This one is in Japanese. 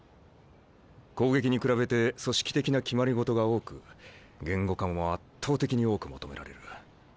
攻撃に比べて組織的な決まり事が多く言語化も圧倒的に多く求められる。